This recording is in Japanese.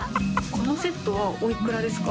このセットはおいくらですか？